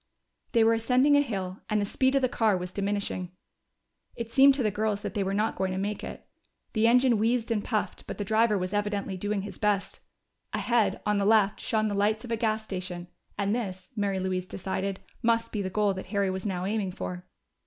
They were ascending a hill, and the speed of the car was diminishing; it seemed to the girls that they were not going to make it. The engine wheezed and puffed, but the driver was evidently doing his best. Ahead, on the left, shone the lights of a gas station, and this, Mary Louise decided, must be the goal that Harry was now aiming for.